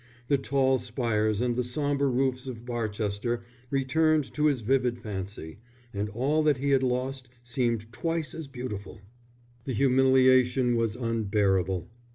The tall spires and the sombre roofs of Barchester returned to his vivid fancy, and all that he had lost seemed twice as beautiful. The humiliation was unbearable.